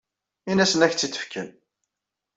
Ini-asen ad ak-tt-id-fken.